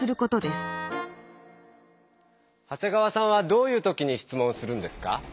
長谷川さんはどういうときに質問するんですか？